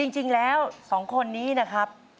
จริงแล้ว๒คนนี้นะครับ